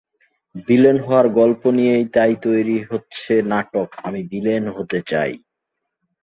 Villain হওয়ার গল্প নিয়েই তাই তৈরি হচ্ছে নাটক আমি ভিলেন হতে চাই।